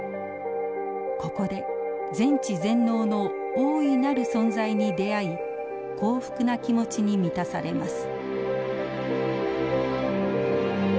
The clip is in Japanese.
ここで全知全能の大いなる存在に出会い幸福な気持ちに満たされます。